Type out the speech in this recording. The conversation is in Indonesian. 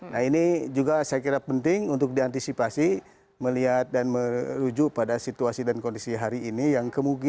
nah ini juga saya kira penting untuk diantisipasi melihat dan merujuk pada situasi dan kondisi hari ini